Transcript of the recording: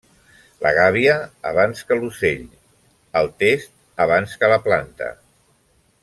La gàbia abans que l'ocell, el test abans que la planta.